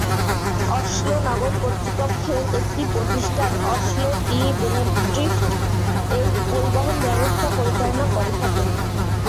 Oslo নগর কর্তৃপক্ষের একটি প্রতিষ্ঠান "অসলো টি-বেন্নেড্রিফট" এই পরিবহন ব্যবস্থা পরিচালনা করে থাকে।